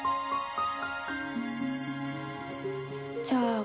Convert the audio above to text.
じゃあ。